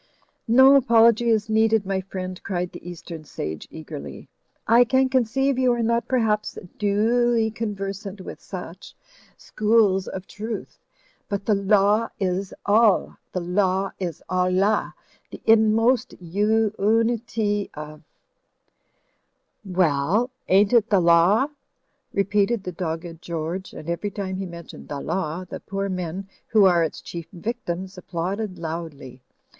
"No apology is needed, my friend," cried the East em sage, eagerly, "I can conceive you are not perhaps u,y,u.«u by Google vox POPULI VOX DEI 89 du uly conversant with such schools of truth. But the Law is All. The Law is Allah. The inmost u imity of —" ''Well, ain't it the Law?" repeated the dogged George, and every time he mentioned the Law the poor men who are its chief victims applauded loudly.